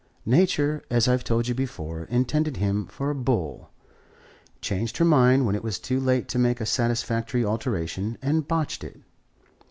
Nature, as I've told you before, intended him for a bull, changed her mind when it was too late to make a satisfactory alteration, and botched it.